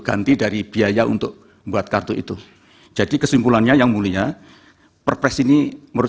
ganti dari biaya untuk membuat kartu itu jadi kesimpulannya yang mulia perpres ini menurut